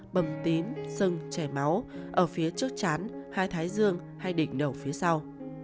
bầm tím sưng chảy máu ở phía chốt chán hai thái dương hay đỉnh đầu phía sau